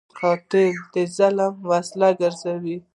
قاتل د ظلم وسیله ګرځي